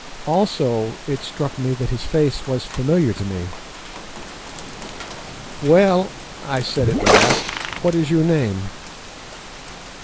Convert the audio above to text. Also it struck me that his face was familiar to me. "Well," I said at last, "What is your name?"